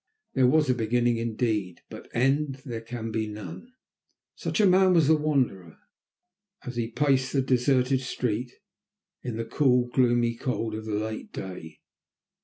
There was a beginning indeed, but end there can be none. Such a man was the Wanderer, as he paced the deserted street in the cruel, gloomy cold of the late day.